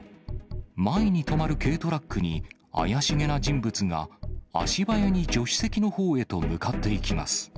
前に止まる軽トラックに、怪しげな人物が、足早に助手席のほうへと向かっていきます。